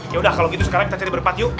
yaudah kalau gitu sekarang kita cari berpat yuk